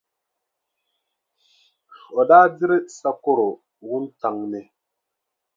O daa diri sakɔro wuntaŋ ni.